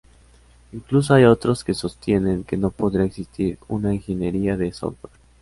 Incluso hay otros que sostienen que no podría existir una ingeniería de software.